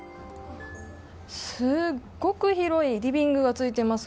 すっごく広いリビングがついています。